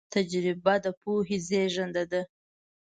تجربه د پوهې زېږنده ده.